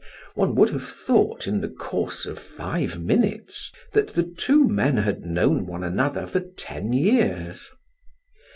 One would have thought in the course of five minutes, that the two men had known one another for ten years.